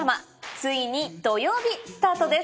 ついに土曜日スタートです。